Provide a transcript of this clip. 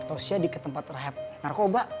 tosnya diketempat rahep narkoba